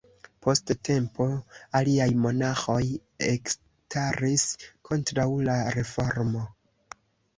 Post tempo, aliaj monaĥoj ekstaris kontraŭ la reformo.